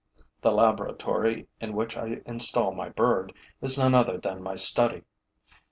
The laboratory in which I install my bird is none other than my study.